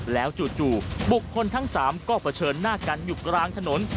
แล้วจู่บุคคลทั้ง๓ก็เผชิญหน้ากันอยู่กลางถนน